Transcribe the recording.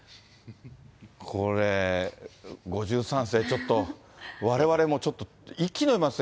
これ、５３歳ちょっと、われわれもうちょっと息のみましたよ。